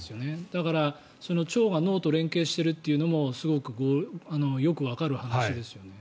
だから、腸が脳と連携しているというのもすごくよくわかる話ですよね。